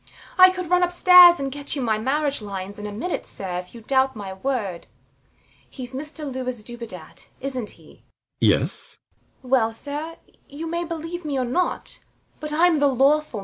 I could run upstairs and get you my marriage lines in a minute, sir, if you doubt my word. He's Mr Louis Dubedat, isnt he? RIDGEON. Yes. THE MAID. Well, sir, you may believe me or not; but I'm the lawful Mrs Dubedat.